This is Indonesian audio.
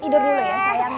tidur dulu ya sayang ya